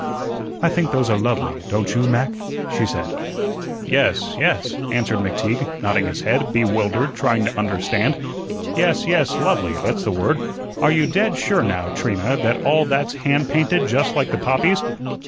"I think those are lovely, don't you, Mac?" she said. "Yes, yes," answered McTeague, nodding his head, bewildered, trying to understand. "Yes, yes, lovely, that's the word. Are you dead sure now, Trina, that all that's hand painted just like the poppies?"